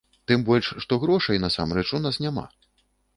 Тым больш, што грошай, насамрэч, у нас няма.